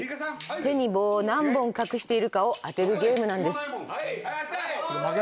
手に棒を何本隠しているかを当てるゲームなんです。